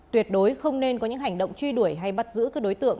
tuyệt đối không nên có những hành động truy đuổi hay bắt giữ các đối tượng